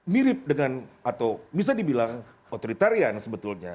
mirip dengan atau bisa dibilang otoritarian sebetulnya